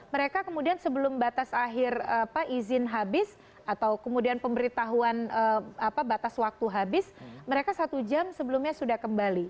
mereka kemudian sebelum batas akhir izin habis atau kemudian pemberitahuan batas waktu habis mereka satu jam sebelumnya sudah kembali